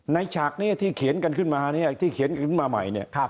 ฉากนี้ที่เขียนกันขึ้นมาเนี่ยที่เขียนขึ้นมาใหม่เนี่ย